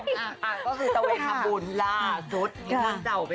ก็คือตะหวนพาบุญล่าสุด